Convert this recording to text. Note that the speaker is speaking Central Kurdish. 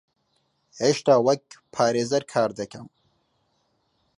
هێشتا وەک پارێزەر کار دەکەم.